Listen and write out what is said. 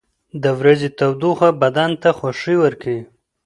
• د ورځې تودوخه بدن ته خوښي ورکوي.